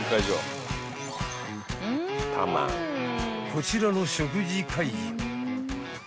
［こちらの食事会場］